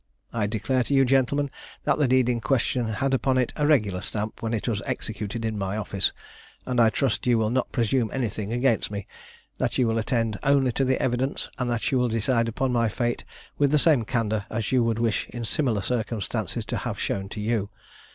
I declare to you, gentlemen, that the deed in question had upon it a regular stamp when it was executed in my office, and I trust you will not presume anything against me; that you will attend only to the evidence, and that you will decide upon my fate with the same candour as you would wish in similar circumstances to have shown to you.